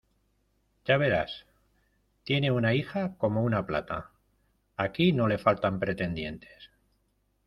Ya verás ¡Tiene una hija como una plata! aquí no le faltan pretendientes.